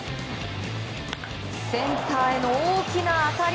センターへの大きな当たり！